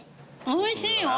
おいしいよ。